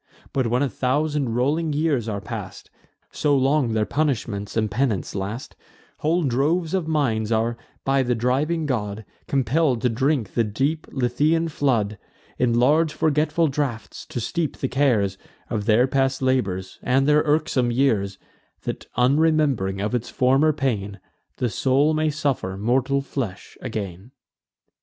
But, when a thousand rolling years are past, (So long their punishments and penance last,) Whole droves of minds are, by the driving god, Compell'd to drink the deep Lethaean flood, In large forgetful draughts to steep the cares Of their past labours, and their irksome years, That, unrememb'ring of its former pain, The soul may suffer mortal flesh again."